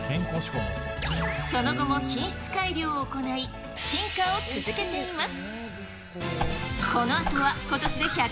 その後も品質改良を行い、進化を続けています。